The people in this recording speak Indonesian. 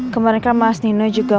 kemernikan mas nino juga